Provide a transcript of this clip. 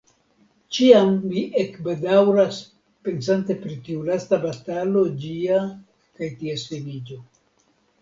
Ĉiam mi ekbedaŭras pensante pri tiu lasta batalo ĝia kaj ties finiĝo.